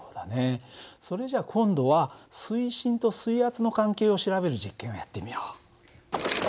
それじゃ今度は水深と水圧の関係を調べる実験をやってみよう。